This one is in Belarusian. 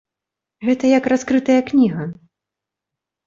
Гэта як раскрытая кніга.